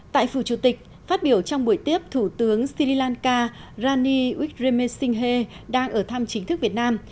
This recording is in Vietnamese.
tại phủ chủ tịch phát biểu trong buổi tiếp thủ tướng sri lanka rani whemesinghe đang ở thăm chính thức việt nam